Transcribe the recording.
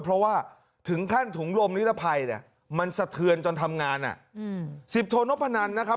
เพราะว่าถึงขั้นถุงลมนิรภัยเนี่ยมันสะเทือนจนทำงานอ่ะอืมสิบโทนพนันนะครับ